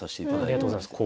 ありがとうございます。